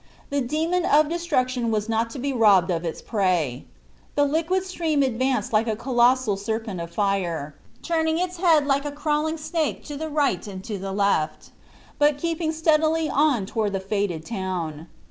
The demon of destruction was not to be robbed of its prey. The liquid stream advanced like a colossal serpent of fire, turning its head like a crawling snake to the right and left, but keeping steadily on toward the fated town.